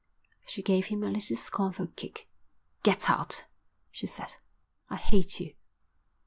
She gave him a little scornful kick. "Get out," she said. "I hate you."